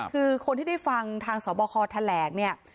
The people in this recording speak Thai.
คือคนที่ได้ฟังทางสบคแถลงเนี่ย